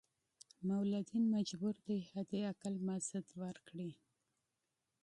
مولدین مجبور دي حد اقل مزد ورکړي.